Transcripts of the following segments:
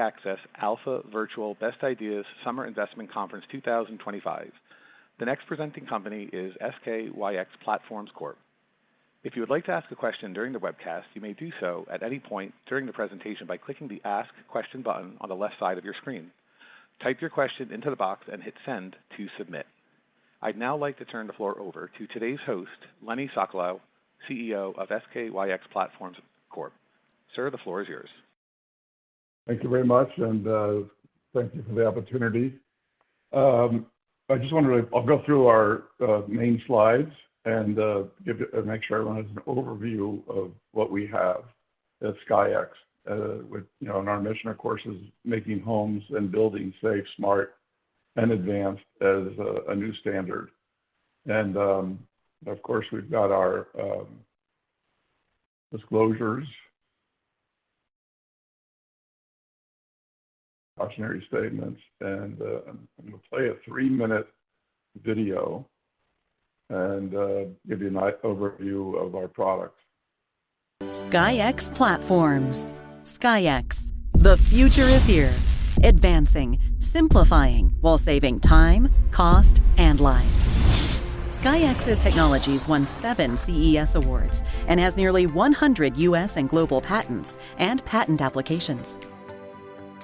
Access Alpha Virtual Best Ideas Summer Investment Conference 2025. The next presenting company is SKYX Platforms Corp. If you would like to ask a question during the webcast, you may do so at any point during the presentation by clicking the Ask Question button on the left side of your screen. Type your question into the box and hit Send to submit. I'd now like to turn the floor over to today's host, Lenny Sokolow, CEO of SKYX Platforms Corp. Sir, the floor is yours. Thank you very much, and thank you for the opportunity. I just wanted to—I’ll go through our main slides and make sure everyone has an overview of what we have at SKYX. You know, our mission, of course, is making homes and buildings safe, smart, and advanced as a new standard. Of course, we’ve got our disclosures, cautionary statements, and I’m going to play a three-minute video and give you an overview of our product. SKYX Platforms. SKYX, the future is here. Advancing, simplifying, while saving time, cost, and lives. SKYX's Technologies won seven CES awards and has nearly 100 U.S. and global patents and patent applications.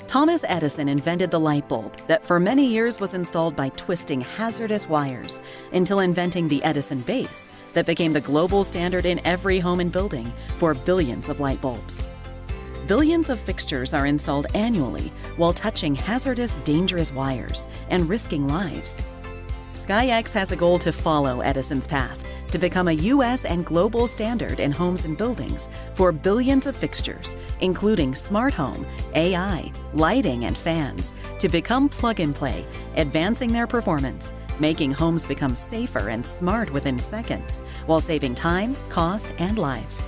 Thomas Edison invented the light bulb that for many years was installed by twisting hazardous wires until inventing the Edison Base that became the global standard in every home and building for billions of light bulbs. Billions of fixtures are installed annually while touching hazardous, dangerous wires and risking lives. SKYX has a goal to follow Edison's path to become a U.S. and global standard in homes and buildings for billions of fixtures, including smart home, AI, lighting, and fans, to become plug-and-play, advancing their performance, making homes become safer and smart within seconds while saving time, cost, and lives.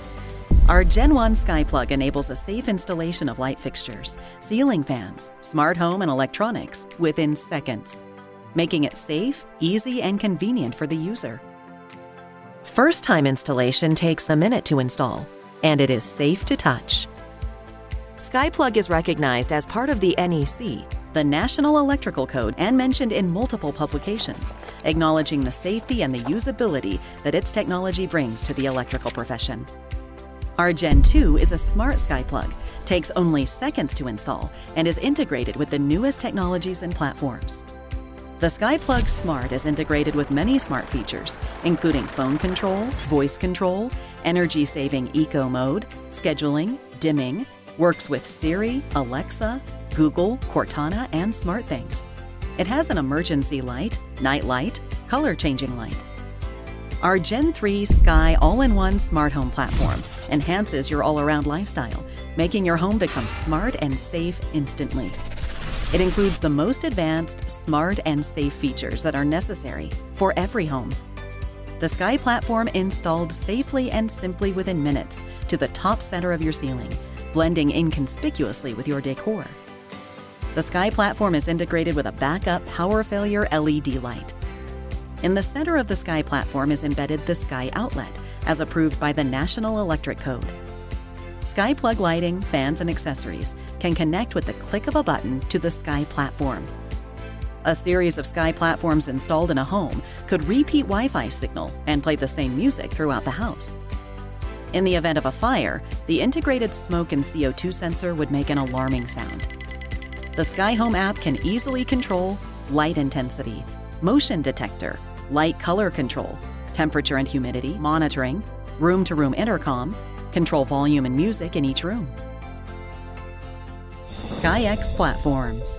Our Gen-1 SkyPlug enables a safe installation of light fixtures, ceiling fans, smart home, and electronics within seconds, making it safe, easy, and convenient for the user. First-time installation takes a minute to install, and it is safe to touch. SkyPlug is recognized as part of the NEC, the National Electrical Code, and mentioned in multiple publications, acknowledging the safety and the usability that its technology brings to the electrical profession. Our Gen-2 is a Smart SkyPlug, takes only seconds to install, and is integrated with the newest technologies and platforms. The SkyPlug Smart is integrated with many smart features, including phone control, voice control, energy-saving Eco mode, scheduling, dimming, works with Siri, Alexa, Google, Cortana, and SmartThanks. It has an emergency light, night light, color-changing light. Our Gen-3 Sky All-in-One Smart Home Platform enhances your all-around lifestyle, making your home become smart and safe instantly. It includes the most advanced, smart, and safe features that are necessary for every home. The SkyPlatform installed safely and simply within minutes to the top center of your ceiling, blending inconspicuously with your décor. The SkyPlatform is integrated with a backup power failure LED light. In the center of the SkyPlatform is embedded the SkyOutlet, as approved by the National Electrical Code. SkyPlug lighting, fans, and accessories can connect with the click of a button to the SkyPlatform. A series of SkyPlatforms installed in a home could repeat Wi-Fi signal and play the same music throughout the house. In the event of a fire, the integrated smoke and CO2 sensor would make an alarming sound. The SkyHome App can easily control light intensity, motion detector, light color control, temperature and humidity monitoring, room-to-room intercom, control volume and music in each room. SKYX Platforms.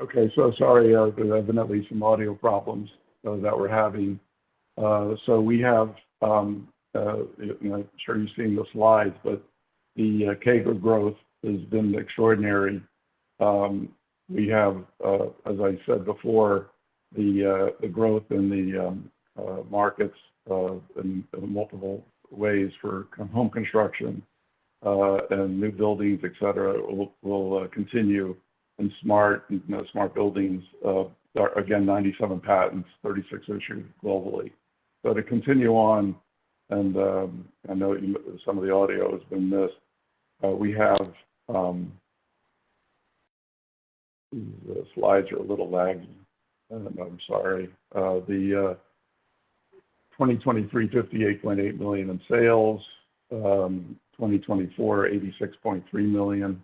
Okay, so sorry, there have been at least some audio problems that we're having. We have—I'm sure you're seeing the slides—but the CAGR growth has been extraordinary. We have, as I said before, the growth in the markets in multiple ways for home construction and new buildings, etc., will continue in smart buildings. Again, 97 patents, 36 issued globally. To continue on, and I know some of the audio has been missed, we have—these slides are a little laggy. I'm sorry. The 2023, $58.8 million in sales. 2024, $86.3 million.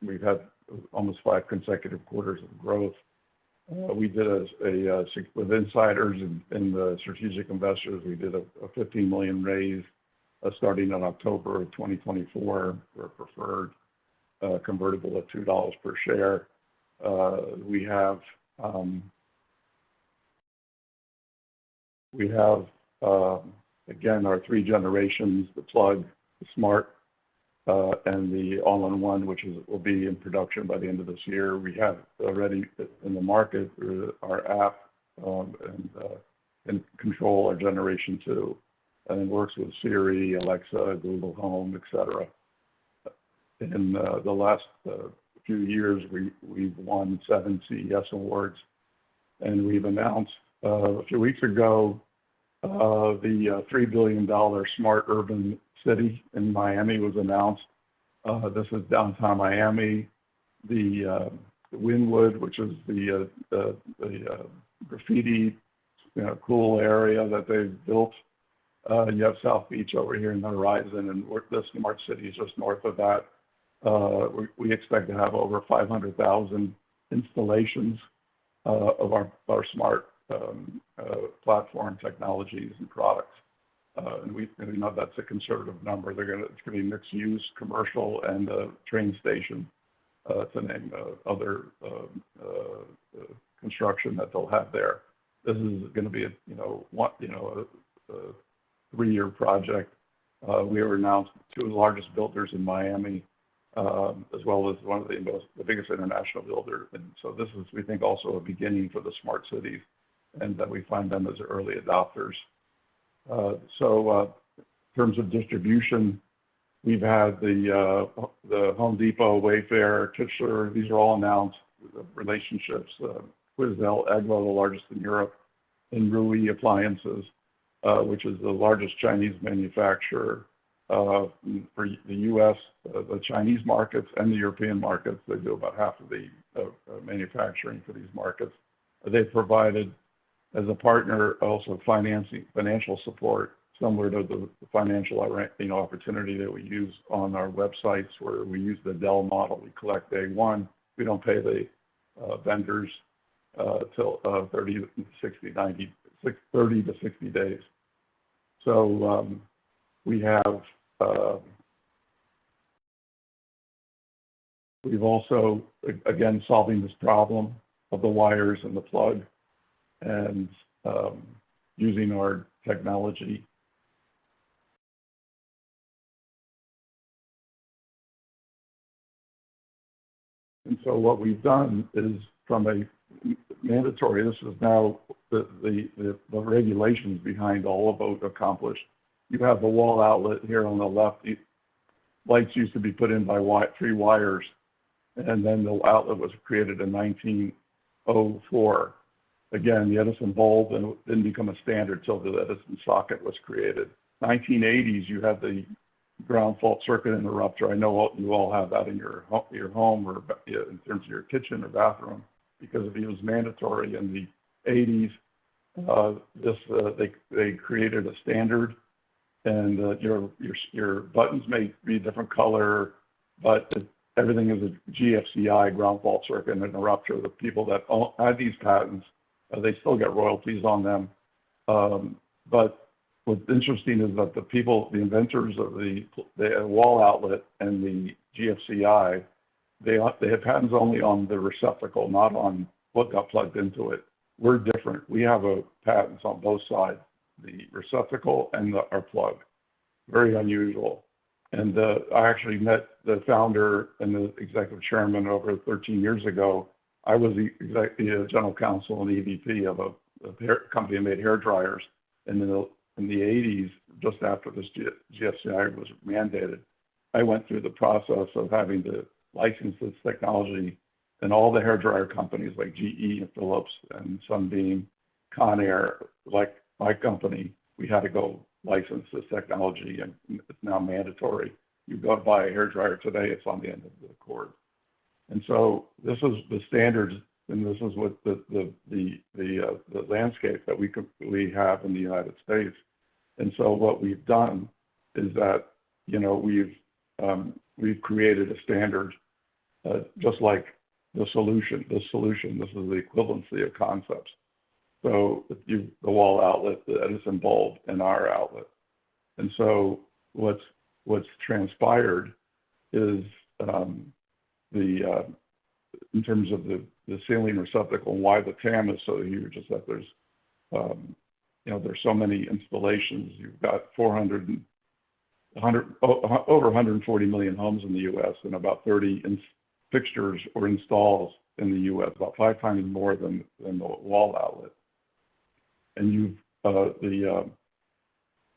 We've had almost five consecutive quarters of growth. We did a—with insiders and the strategic investors, we did a $15 million raise starting in October of 2024 for a preferred convertible at $2 per share. We have, again, our three generations: the Plug, the Smart, and the All-in-One, which will be in production by the end of this year. We have already in the market our app and control our Generation-2, and it works with Siri, Alexa, Google Home, etc. In the last few years, we've won seven CES awards, and we've announced a few weeks ago the $3 billion Smart Urban City in Miami was announced. This is downtown Miami. The Wynwood, which is the graffiti-cool area that they've built. You have South Beach over here in the horizon, and the Smart City is just north of that. We expect to have over 500,000 installations of our Smart platform technologies and products. And we know that's a conservative number. It's going to be mixed-use, commercial, and a train station to name other construction that they'll have there. This is going to be a three-year project. We are now two of the largest builders in Miami, as well as one of the biggest international builders. This is, we think, also a beginning for the Smart Cities and that we find them as early adopters. In terms of distribution, we've had the Home Depot, Wayfair, Kichler. These are all announced relationships. Quoizel, EGLO, the largest in Europe, and Rui Appliances, which is the largest Chinese manufacturer for the U.S., the Chinese markets, and the European markets. They do about half of the manufacturing for these markets. They've provided as a partner also financial support similar to the financial opportunity that we use on our websites where we use the Dell model. We collect day one. We don't pay the vendors 30-60, 90, 30-60 days. We have also again solving this problem of the wires and the plug and using our technology. What we have done is from a mandatory—this is now the regulations behind all of what we have accomplished. You have the wall outlet here on the left. Lights used to be put in by three wires, and then the outlet was created in 1904. Again, the Edison Bulb did not become a standard until the Edison Socket was created. In the 1980s, you had the Ground Fault Circuit Interrupter. I know you all have that in your home or in terms of your kitchen or bathroom because it was mandatory in the 1980s. They created a standard, and your buttons may be a different color, but everything is a GFCI, Ground Fault Circuit Interrupter. The people that had these patents, they still get royalties on them. What's interesting is that the people, the inventors of the wall outlet and the GFCI, they have patents only on the receptacle, not on what got plugged into it. We're different. We have patents on both sides, the receptacle and our plug. Very unusual. I actually met the founder and the Executive Chairman over 13 years ago. I was the General Counsel and EVP of a company that made hair dryers. In the 1980s, just after the GFCI was mandated, I went through the process of having to license this technology. All the hair dryer companies like GE and Philips and Sunbeam, Conair, my company, we had to go license this technology, and it's now mandatory. You go buy a hair dryer today, it's on the end of the cord. This is the standard, and this is what the landscape that we have in the United States. What we've done is that we've created a standard just like the solution. This solution, this is the equivalency of concepts. The wall outlet, the Edison bulb, and our outlet. What's transpired is in terms of the ceiling receptacle, why the TAM is so huge is that there's so many installations. You've got over 140 million homes in the U.S. and about 30 fixtures or installs in the U.S., about five times more than the wall outlet.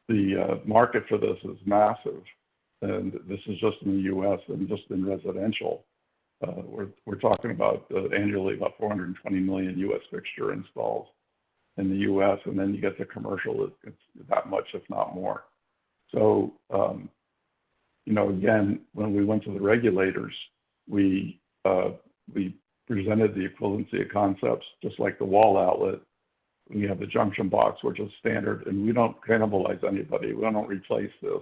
The market for this is massive. This is just in the U.S. and just in residential. We're talking about annually about 420 million U.S. fixture installs in the U.S. You get the commercial, it's that much, if not more. Again, when we went to the regulators, we presented the equivalency of concepts just like the wall outlet. We have the junction box, which is standard, and we do not cannibalize anybody. We do not replace this.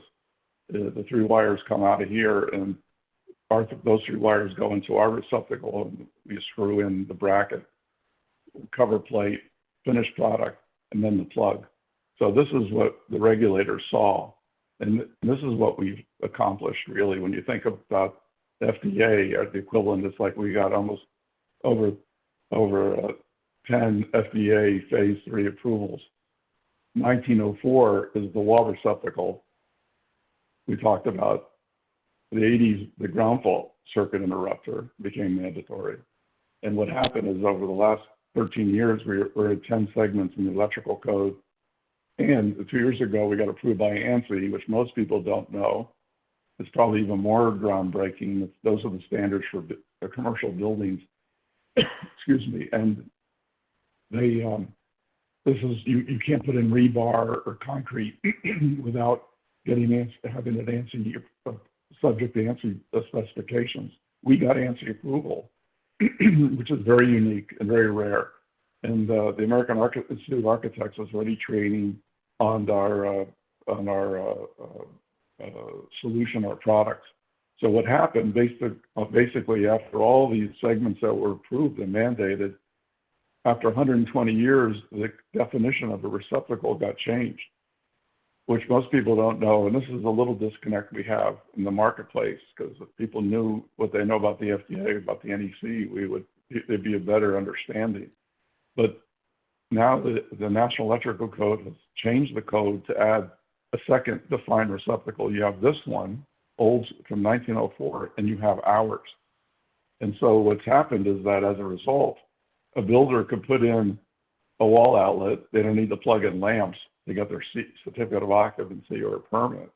The three wires come out of here, and those three wires go into our receptacle, and we screw in the bracket, cover plate, finished product, and then the plug. This is what the regulators saw. This is what we have accomplished, really. When you think about FDA, the equivalent is like we got almost over 10 FDA phase three approvals. 1904 is the wall receptacle. We talked about the 1980s, the Ground Fault Circuit Interrupter became mandatory. What happened is over the last 13 years, we are at 10 segments in the electrical code. Two years ago, we got approved by ANSI, which most people do not know. It is probably even more groundbreaking. Those are the standards for commercial buildings. Excuse me. And you can't put in rebar or concrete without having it subject to ANSI specifications. We got ANSI approval, which is very unique and very rare. And the American Institute of Architects was already training on our solution, our products. So what happened, basically, after all these segments that were approved and mandated, after 120 years, the definition of the receptacle got changed, which most people don't know. And this is a little disconnect we have in the marketplace because if people knew what they know about the FDA, about the NEC, there'd be a better understanding. But now the National Electrical Code has changed the code to add a second defined receptacle. You have this one, old from 1904, and you have ours. And so what's happened is that as a result, a builder could put in a wall outlet. They do not need to plug in lamps to get their certificate of occupancy or a permit.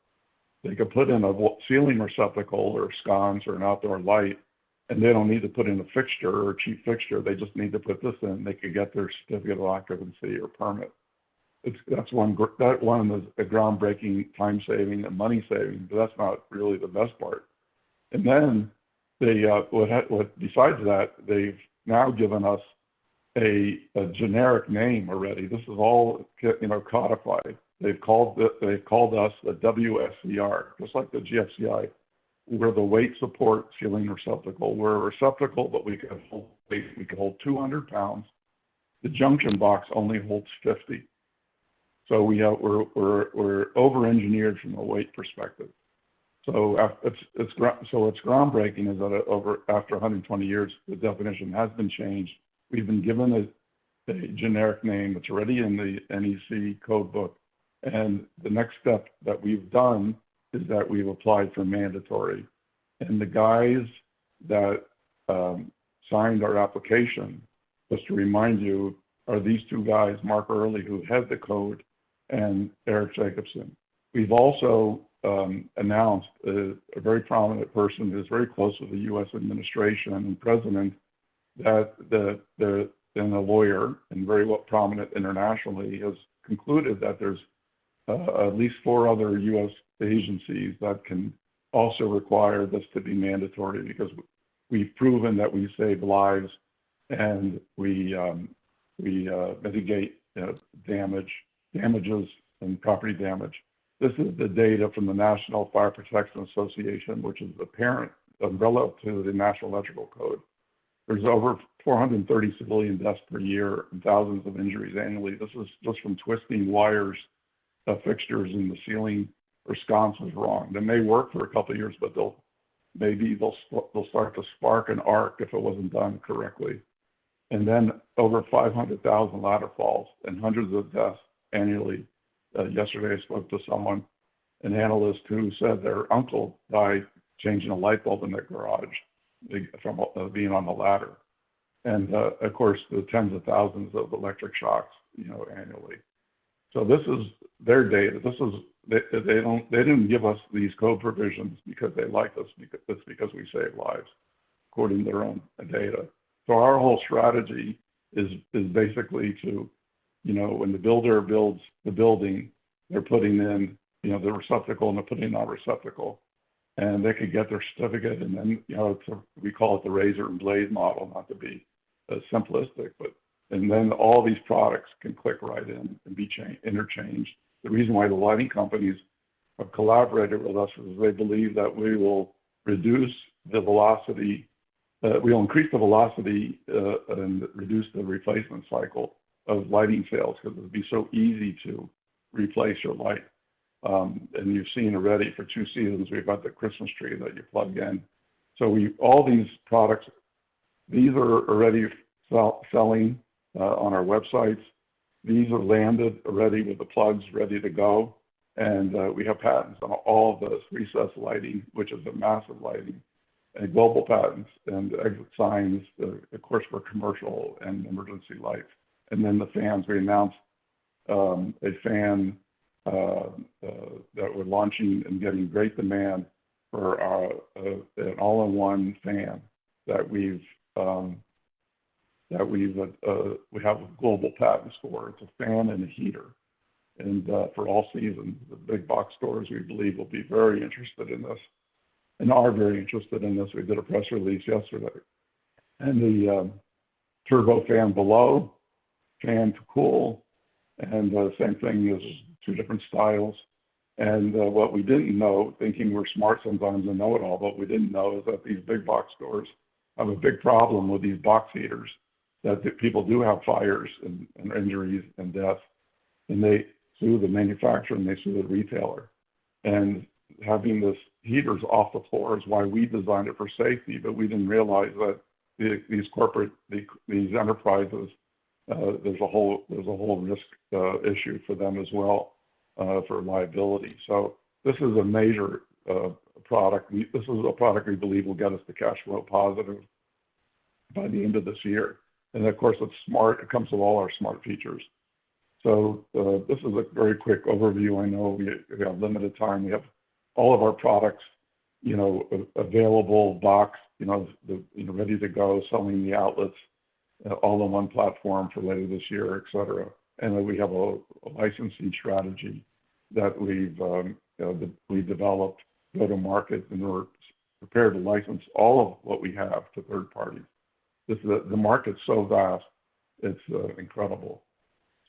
They could put in a ceiling receptacle or sconces or an outdoor light, and they do not need to put in a fixture or a cheap fixture. They just need to put this in. They could get their certificate of occupancy or permit. That is one of the groundbreaking time saving and money saving, but that is not really the best part. Besides that, they have now given us a generic name already. This is all codified. They have called us the WSER, just like the GFCI, where the weight support ceiling receptacle. We are a receptacle, but we can hold 200 pounds. The junction box only holds 50. We are over-engineered from a weight perspective. What is groundbreaking is that after 120 years, the definition has been changed. We have been given a generic name. It's already in the NEC codebook. The next step that we've done is that we've applied for mandatory. The guys that signed our application, just to remind you, are these two guys, Mark Early, who has the code, and Eric Jacobson. We've also announced a very prominent person who's very close with the U.S. Administration and President, that a lawyer and very prominent internationally has concluded that there's at least four other U.S. agencies that can also require this to be mandatory because we've proven that we save lives and we mitigate damages and property damage. This is the data from the National Fire Protection Association, which is the parent umbrella to the National Electrical Code. There's over 430 civilian deaths per year and thousands of injuries annually. This is just from twisting wires, fixtures in the ceiling or sconce was wrong. They may work for a couple of years, but maybe they'll start to spark an arc if it wasn't done correctly. Over 500,000 ladder falls and hundreds of deaths annually. Yesterday, I spoke to someone, an analyst, who said their uncle died changing a light bulb in the garage from being on the ladder. The tens of thousands of electric shocks annually. This is their data. They didn't give us these code provisions because they liked us, just because we save lives, according to their own data. Our whole strategy is basically to, when the builder builds the building, they're putting in the receptacle, and they're putting in our receptacle. They could get their certificate, and we call it the razor and blade model, not to be simplistic. All these products can click right in and be interchanged. The reason why the lighting companies have collaborated with us is they believe that we will reduce the velocity. We'll increase the velocity and reduce the replacement cycle of lighting sales because it would be so easy to replace your light. You've seen already for two seasons, we've got the Christmas tree that you plug in. All these products, these are already selling on our websites. These are landed already with the plugs ready to go. We have patents on all the recessed lighting, which is a massive lighting, and global patents and exit signs. Of course, we're commercial and emergency lights. The fans, we announced a fan that we're launching and getting great demand for an all-in-one fan that we have a global patent for. It's a fan and a heater. For all seasons, the big box stores, we believe, will be very interested in this and are very interested in this. We did a press release yesterday. The turbo fan below, fan to cool, and the same thing is two different styles. What we did not know, thinking we are smart sometimes and know it all, but what we did not know is that these big box stores have a big problem with these box heaters, that people do have fires and injuries and deaths. They sue the manufacturer and they sue the retailer. Having these heaters off the floor is why we designed it for safety, but we did not realize that these corporate, these enterprises, there is a whole risk issue for them as well for liability. This is a major product. This is a product we believe will get us to cash flow positive by the end of this year. It comes with all our smart features. This is a very quick overview. I know we have limited time. We have all of our products available, box ready to go, selling the outlets, all-in-one platform for later this year, etc. We have a licensing strategy that we've developed, go to market, and we're prepared to license all of what we have to third parties. The market's so vast, it's incredible.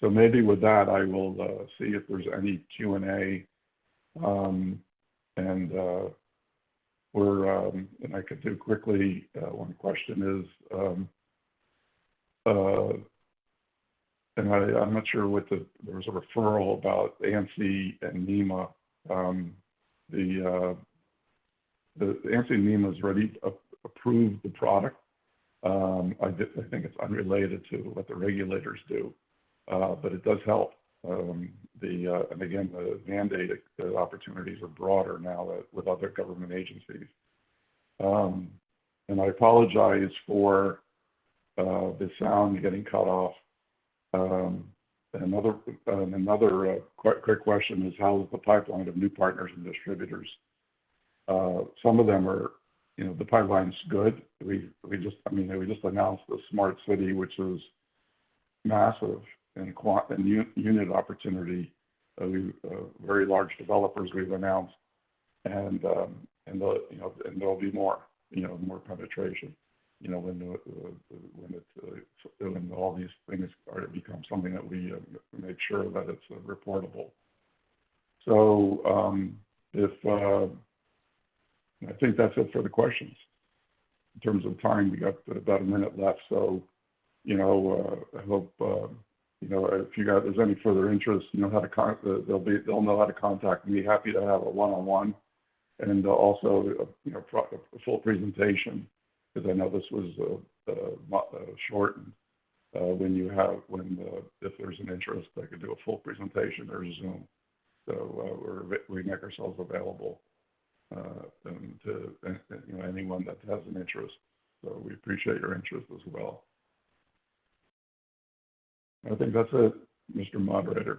Maybe with that, I will see if there's any Q&A. I could do quickly. One question is, and I'm not sure what the, there was a referral about ANSI and NEMA. ANSI and NEMA have already approved the product. I think it's unrelated to what the regulators do, but it does help. Again, the mandated opportunities are broader now with other government agencies. I apologize for the sound getting cut off. Another quick question is, how is the pipeline of new partners and distributors? Some of them are, the pipeline's good. I mean, we just announced the smart city, which is massive and unit opportunity. Very large developers we've announced. There will be more penetration when all these things start to become something that we make sure that it's reportable. I think that's it for the questions. In terms of time, we got about a minute left. I hope if you guys have any further interest, they'll know how to contact me. Happy to have a one-on-one and also a full presentation because I know this was shortened. When you have, if there's an interest, I could do a full presentation or Zoom. We make ourselves available to anyone that has an interest. We appreciate your interest as well. I think that's it, Mr. Moderator.